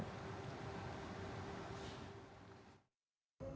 jalan tol baru di jawa tengah